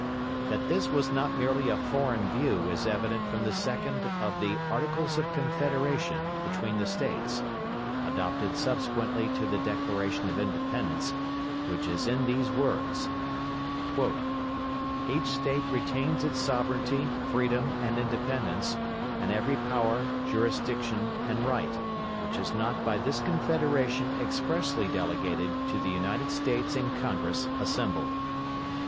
That this was not merely a foreign view is evident from the second of the "Articles of Confederation" between the States, adopted subsequently to the Declaration of Independence, which is in these words: "Each State retains its sovereignty, freedom, and independence, and every power, jurisdiction, and right, which is not by this Confederation expressly delegated to the United States in Congress assembled."